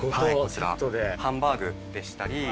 ハンバーグでしたり。